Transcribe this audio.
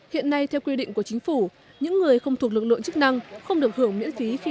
hiện nay theo quy định của chính phủ những người không thuộc lực lượng chức năng không được hưởng miễn phí